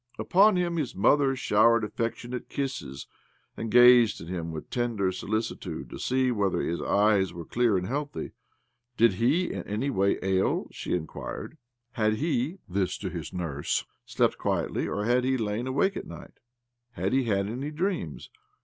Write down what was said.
... Upon him his mother showered affection ate kisses, and gazed at him with tender solicitude to see whether his eyes were clear and healthy. Did he in any way ail? she inquired. Had he (this to his nurse) slept quietly, or had he lain awake all night? Had he 'had any dreams?